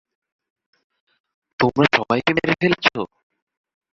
তোমরা সবাইকে মেরে ফেলেছো!